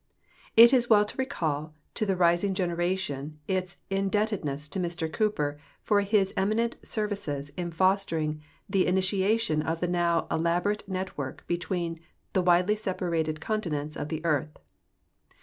It is well to recall to tlie rising generation its indebted ness to Mr Cooper for his eminent services in fostering the initia tion of this now elaborate network between the widely sepa rated continents of the earth.